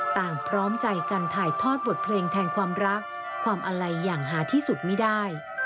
พร้อมใจกันถ่ายทอดบทเพลงแทนความรักความอาลัยอย่างหาที่สุดไม่ได้